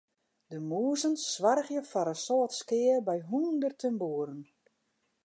De mûzen soargje foar in soad skea by hûnderten boeren.